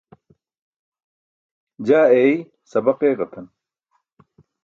jaa eei sabaq eġatan